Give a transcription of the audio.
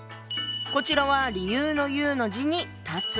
こちらは理由の「由」の字に「断つ」。